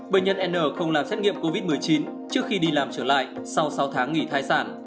bệnh nhân n không làm xét nghiệm covid một mươi chín trước khi đi làm trở lại sau sáu tháng nghỉ thai sản